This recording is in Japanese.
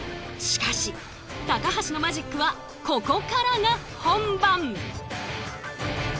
しかし高橋のマジックはここからが本番！